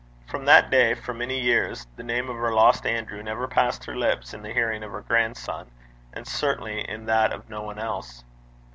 From that day, for many years, the name of her lost Andrew never passed her lips in the hearing of her grandson, and certainly in that of no one else.